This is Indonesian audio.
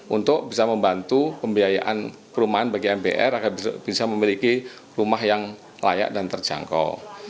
untuk bisa membantu pembiayaan perumahan bagi mbr agar bisa memiliki rumah yang layak dan terjangkau